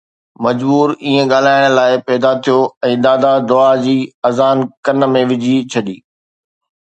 مجبور، ائين ڳالهائڻ لاءِ، پيدا ٿيو ۽ دادا دعا جي اذان ڪن ۾ وجهي ڇڏي